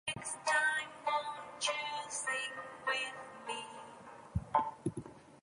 The park can generally be divided into five distinct zones.